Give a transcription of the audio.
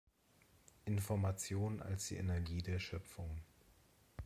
Information als die Energie der Schöpfung.